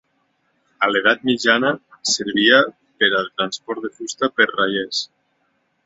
A l'edat mitjana servia per al transport de fusta per raiers.